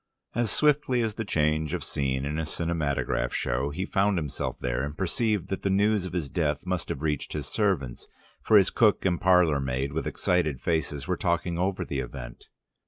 As swiftly as the change of scene in a cinematograph show he found himself there, and perceived that the news of his death must have reached his servants, for his cook and parlour maid with excited faces, were talking over the event.